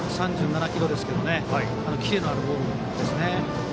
１３７キロなんですがキレのあるボールでしたね。